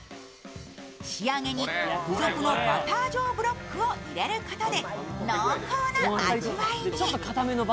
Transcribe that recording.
仕上げに付属のバター状ブロックを入れることで濃厚な味わいに。